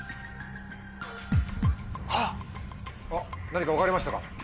何か分かりましたか？